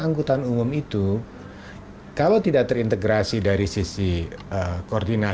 angka ini sudah termasuk pengguna ojek online